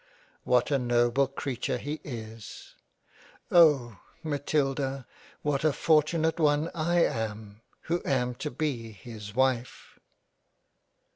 What a noble Creature he is ! Oh ! Matilda what a for tunate one I am, who am to be his Wife